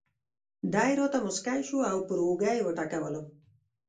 دی راته مسکی شو او پر اوږه یې وټکولم.